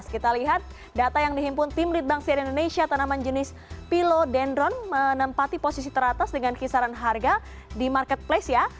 kita lihat data yang dikumpulkan dari lead bank cnn indonesia tanaman jenis pilo dendron menempati posisi teratas dengan kisaran harga di marketplace ya